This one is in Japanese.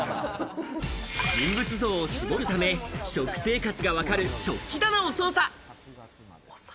人物像を絞るため、食生活が分かる食器棚を捜査。